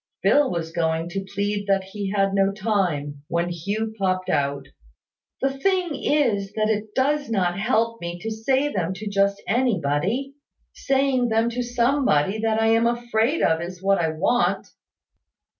Phil was going to plead that he had no time, when Hugh popped out "The thing is that it does not help me to say them to just anybody. Saying them to somebody that I am afraid of is what I want."